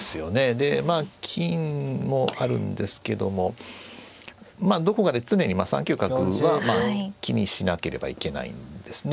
でまあ金もあるんですけどもまあどこかで常に３九角は気にしなければいけないんですね。